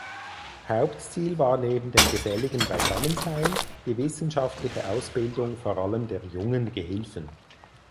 Hauptziel war neben dem geselligen Beisammensein die wissenschaftliche Ausbildung vor allem der jungen Gehilfen.